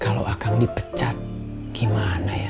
kalau akan dipecat gimana ya